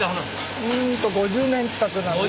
うんと５０年近くなります。